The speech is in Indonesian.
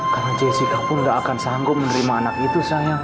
karena jessica pun gak akan sanggup menerima anak itu sayang